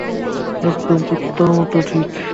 একদম কুত্তার মতো ঠিক।